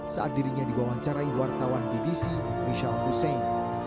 saat dirinya dibawang carai wartawan bbc michel hussien